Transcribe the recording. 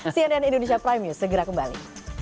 cnn indonesia prime news segera kembali